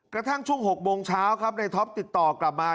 กระทั่งช่วง๖โมงเช้าครับในท็อปติดต่อกลับมา